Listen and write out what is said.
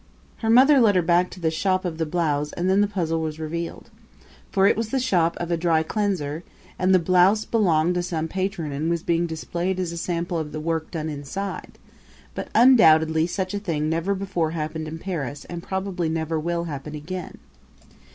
Her mother led her back to the shop of the blouse and then the puzzle was revealed. For it was the shop of a dry cleanser and the blouse belonged to some patron and was being displayed as a sample of the work done inside; but undoubtedly such a thing never before happened in Paris and probably never will happen again.